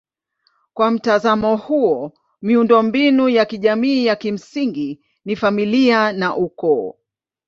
Kwa mtazamo huo miundombinu ya kijamii ya kimsingi ni familia na ukoo.